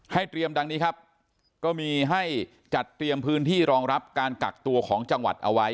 เตรียมดังนี้ครับก็มีให้จัดเตรียมพื้นที่รองรับการกักตัวของจังหวัดเอาไว้